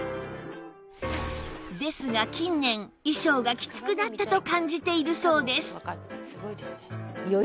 ですが近年衣装がきつくなったと感じているそうです